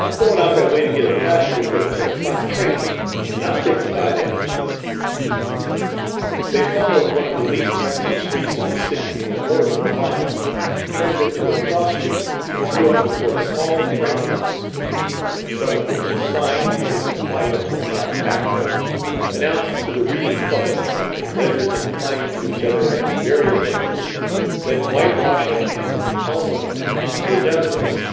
I'm gwine out dat way ter git a passenger fer de ten o'clock train, an' I'll take you by dere." Page 230 They followed one of the least handsome streets of the city for more than a mile, turned into a cross street, and drew up before a small frame house, from the front of which a sign, painted in white upon a black background, announced to the reading public, in letters inclined to each other at various angles, that whitewashing and kalsomining were "dun" there.